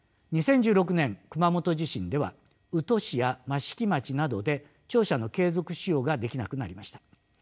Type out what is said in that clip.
２０１６年熊本地震では宇土市や益城町などで庁舎の継続使用ができなくなりました。